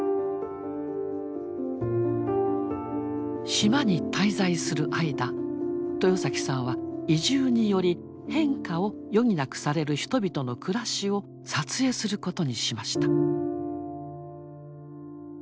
島に滞在する間豊さんは移住により変化を余儀なくされる人々の暮らしを撮影することにしました。